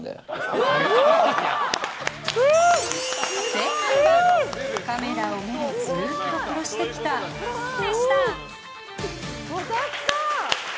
正解は「カメラを目でずーっと殺してきた」でした。